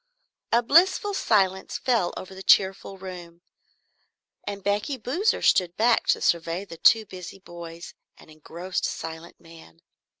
A blissful silence fell over the cheerful room and Becky Boozer stood back to survey the two busy boys and engrossed silent man.